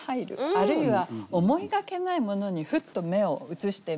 あるいは思いがけないものにふっと目を移してみる。